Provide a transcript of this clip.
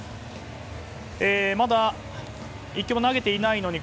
まだ、１球も投げていないのに